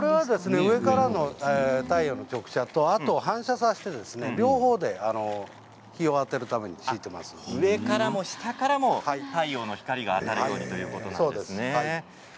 上からの太陽の直射とあと反射させて両方で上からと下から太陽の光が当たるようにということですね。